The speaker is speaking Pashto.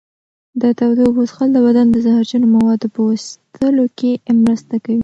د تودو اوبو څښل د بدن د زهرجنو موادو په ویستلو کې مرسته کوي.